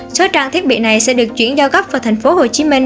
số trang thiết bị này sẽ được chuyển giao gấp vào thành phố hồ chí minh